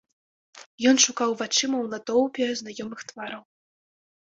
Ён шукаў вачыма ў натоўпе знаёмых твараў.